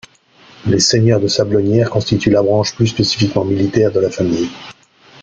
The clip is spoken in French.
Les seigneurs de Sablonnières constituent la branche plus spécifiquement militaire de la famille.